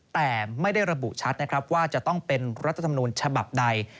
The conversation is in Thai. แต่ไม่ได้ระบุชัดนะครับว่าจะต้องเป็นรัฐธรรมนูญฉบับใด